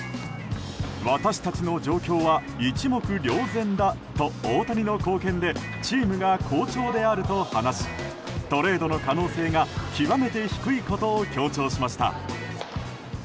私たちの状況は一目瞭然だと大谷の貢献でチームが好調であると話しトレードの可能性が極めて低いことを強調しました。